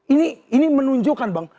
ini ini menunjukkan bang